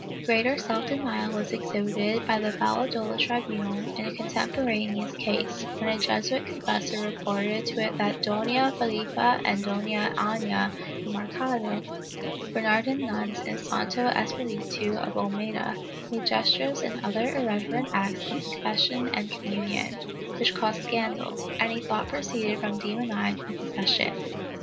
Greater self denial was exhibited by the Valladolid tribunal in a contemporaneous case, when a Jesuit confessor reported to it that Dona Felippa and Doiia Aiia de Mer cado, Bernardino nuns in Santo Espiritu of Olmeda, made gestures and other irreverent acts in confession and communion, which caused scandal, and he thought proceeded from demoniacal posses sion.